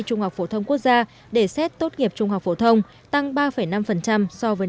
phổ thông quốc gia để xét tốt nghiệp trung học phổ thông tăng ba năm so với năm hai nghìn một mươi tám